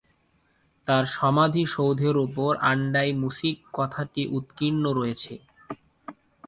তাঁর সমাধিসৌধের উপর 'আন ডাই মুসিক' কথাটি উৎকীর্ণ রয়েছে।